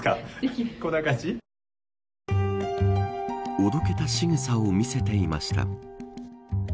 おどけたしぐさを見せていました。